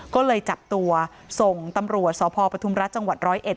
ก็เลยจับตัวส่งตำรวจสพปทุมรัฐจังหวัดร้อยเอ็ด